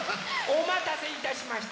おまたせいたしました！